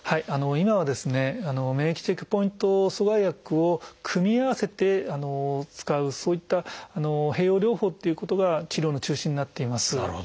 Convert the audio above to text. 今は免疫チェックポイント阻害薬を組み合わせて使うそういった併用療法っていうことが治療の中心になっています。